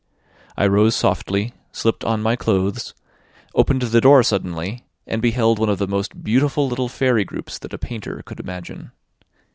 I rose softly, slipped on my clothes, opened the door suddenly, and beheld one of the most beautiful little fairy groups that a painter could imagine.